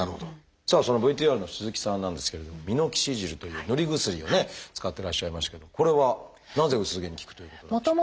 さあそのＶＴＲの鈴木さんなんですけれどもミノキシジルという塗り薬をね使ってらっしゃいましたけどこれはなぜ薄毛に効くということなんでしょう？